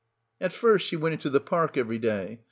At first she went into the park every day.